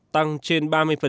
tăng trên ba mươi